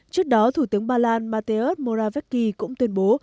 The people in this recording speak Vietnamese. trước đó thủ tướng ba lan mateusz morawiecki cũng tuyên bố